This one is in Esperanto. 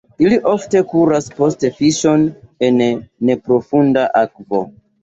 Ili ofte kuras post fiŝon en neprofunda akvo.